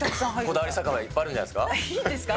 こだわり酒場いっぱいあるんいいんですか？